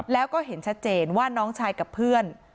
แล้วก็เห็นชัดเจนว่าน้องชายกับเพื่อน